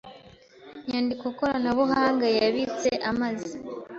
nyandiko koranabuhanga yabitse amaze